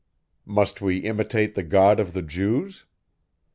Must we imitate the God of the Jews!